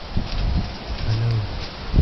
پلو